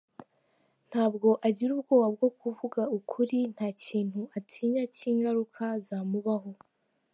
Ntabwo agira ubwoba bwo kuvuga ukuri nta kintu atinya cy’ingaruka zamubaho.